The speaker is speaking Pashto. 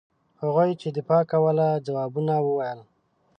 هغوی چې دفاع کوله ځوابونه وویل.